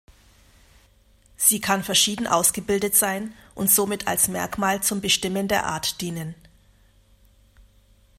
Sie kann verschieden ausgebildet sein und somit als Merkmal zum Bestimmen der Art dienen.